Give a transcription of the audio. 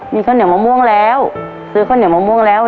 มีข้าวเหนียวมะม่วงแล้วซื้อข้าวเหนียวมะม่วงแล้ว